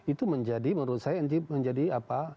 itu menjadi menurut saya menjadi apa